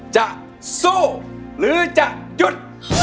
จะสู้หรือจะหยุด